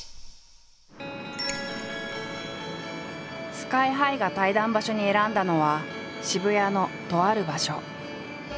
ＳＫＹ−ＨＩが対談場所に選んだのは渋谷のとある場所。